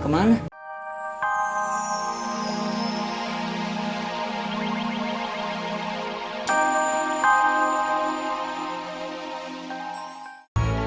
kalau ada facet hai catamaran diri gitu